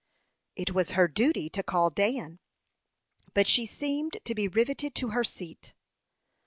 It was her duty to call Dan; but she seemed to be riveted to her seat.